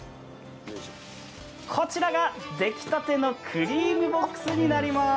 こちらができたてのクリームボックスになります！